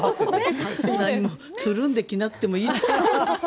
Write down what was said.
つるんで着なくてもいいと思う。